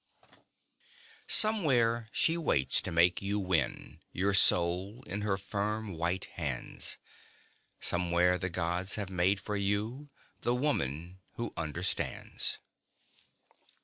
_Somewhere she waits to make you win, your soul in her firm, white hands Somewhere the gods have made for you, the Woman Who Understands!